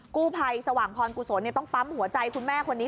กู้ภัยสว่างพรกุศลต้องปั๊มหัวใจคุณแม่คนนี้